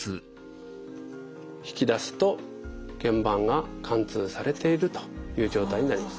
引き出すとけん板が貫通されているという状態になります。